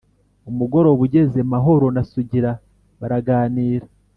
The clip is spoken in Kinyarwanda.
Umugoroba ugeze, Mahoro na Sugira baraganira,